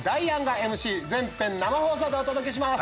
全編生放送でお届けします。